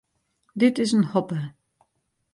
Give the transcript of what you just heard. Dit is in hoppe.